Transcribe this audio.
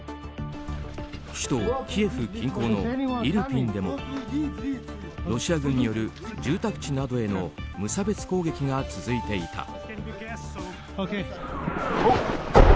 首都キエフ近郊のイルピンでもロシア軍による住宅地などへの無差別攻撃が続いていた。